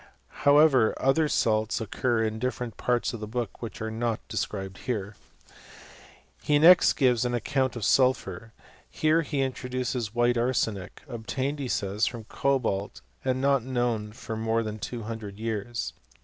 However other salts occur in different parts of the book which are not de scribed here. He next gives an account of sulphur. Here he introduces white arsenic, obtained, he says, from cobalt, and not known for more than two hun dred years.